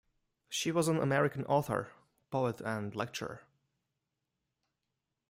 She was an American author, poet, and lecturer.